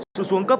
sự xuống cấp